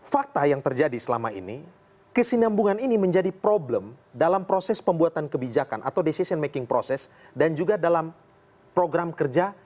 fakta yang terjadi selama ini kesinambungan ini menjadi problem dalam proses pembuatan kebijakan atau decision making process dan juga dalam program kerja